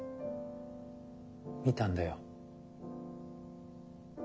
見たんだよ。